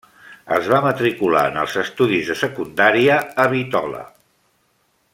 Es va matricular en els estudis de secundària a Bitola.